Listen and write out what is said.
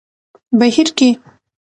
بهير کې